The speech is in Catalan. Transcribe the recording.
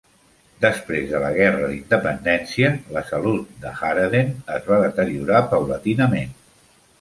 Després de la Guerra d'Independència, la salut de Haraden es va deteriorar paulatinament.